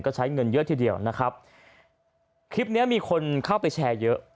ก็ใช้เงินเยอะทีเดียวนะครับคลิปเนี้ยมีคนเข้าไปแชร์เยอะ